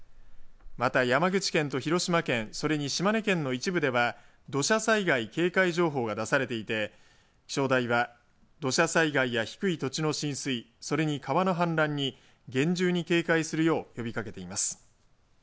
また山口県と広島県それに島根県の一部では土砂災害警戒情報が出されていて気象台は土砂災害や低い土地の浸水それに川の氾濫に厳重に警戒するよう呼びかけています。